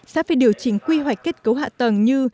sẽ phải điều chỉnh quy hoạch kết cấu hạ tầng như